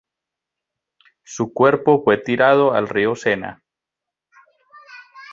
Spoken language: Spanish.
Su cuerpo fue tirado al Río Sena.